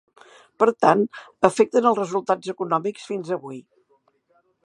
Per tant, afecten els resultats econòmics fins avui.